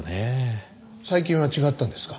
最近は違ったんですか？